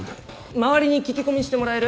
周りに聞き込みしてもらえる？